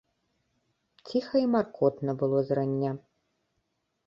Ціха і маркотна было зрання.